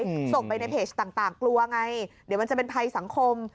ส่งไปในเพจต่างต่างกลัวไงเดี๋ยวมันจะเป็นภัยสังคม